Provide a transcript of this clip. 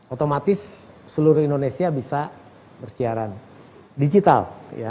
otomatis seluruh indonesia bisa bersiaran digital